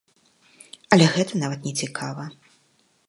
Але гэта нават нецікава.